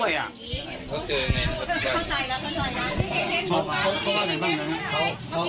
เข้าใจแล้วเข้าใจนะ